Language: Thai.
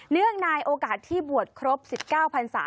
เนื่องในโอกาสที่บวชครบ๑๙พันศา